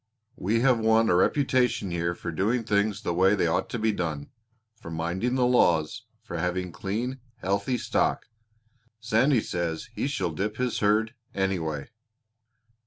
We have won a reputation here for doing things the way they ought to be done for minding the laws for having clean, healthy stock. Sandy says he shall dip his herd, anyway."